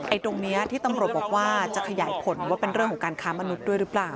ตรงนี้ที่ตำรวจบอกว่าจะขยายผลว่าเป็นเรื่องของการค้ามนุษย์ด้วยหรือเปล่า